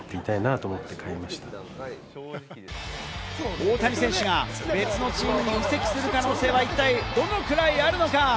大谷選手が別のチームに移籍する可能性は一体どのくらいあるのか？